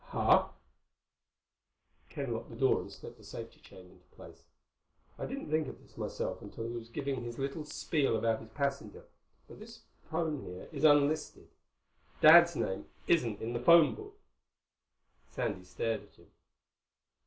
"Huh?" Ken locked the door and slipped the safety chain into place. "I didn't think of this myself until he was giving his little spiel about his passenger, but this phone here is unlisted. Dad's name isn't in the phone book." Sandy stared at him.